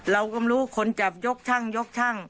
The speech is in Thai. เราก็ไม่รู้คนจับยกชั่ง